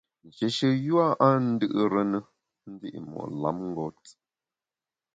Nshéshe yua a ndù’re ne ndi’ mo’ lamngôt.